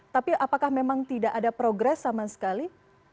tapi apakah memang tidak ada progres sama sekali